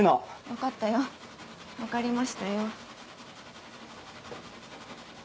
分かったよ分かりましたよ。